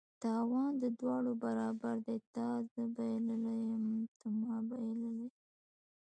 تاوان د دواړه برابر دي: تا زه بایللي یم ته ما بایلله ینه